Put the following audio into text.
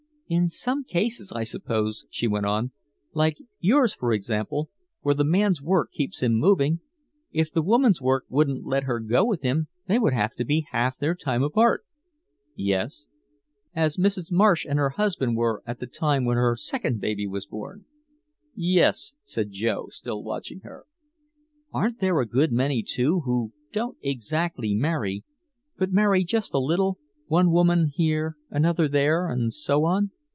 "In some cases, I suppose," she went on, "like yours, for example, where the man's work keeps him moving if the woman's work wouldn't let her go with him they would have to be half their time apart." "Yes." "As Mrs. Marsh and her husband were at the time when her second baby was born." "Yes," said Joe, still watching her. "Aren't there a good many, too, who don't exactly marry but marry just a little one woman here, another there, and so on?"